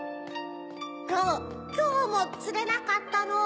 きょきょうもつれなかったのぅ。